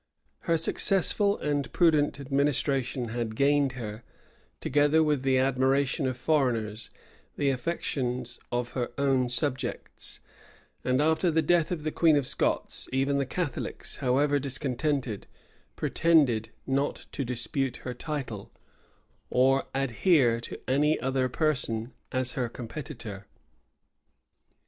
Her successful and prudent administration had gained her, together with the admiration of foreigners, the affections of her own subjects; and, after the death of the queen of Scots, even the Catholics, however discontented, pretended not to dispute her title, or adhere to any other person as her competitor.